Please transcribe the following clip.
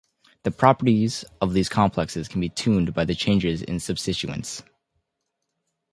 The properties of these complexes can be tuned by changes in substituents.